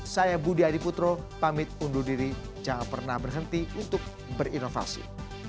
saya budi adiputro pamit undur diri jangan pernah berhenti untuk berinovasi